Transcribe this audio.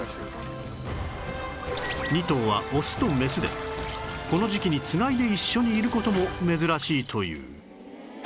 ２頭はオスとメスでこの時期につがいで一緒にいる事も珍しいという